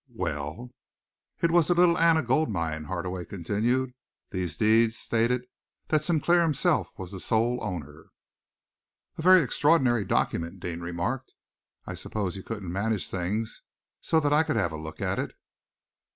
"Well?" "It was the Little Anna Gold Mine," Hardaway continued. "These deeds stated that Sinclair himself was the sole owner." "A very extraordinary document," Deane remarked. "I suppose you couldn't manage things so that I could have a look at it?"